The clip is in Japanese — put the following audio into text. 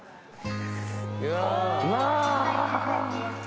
うわ！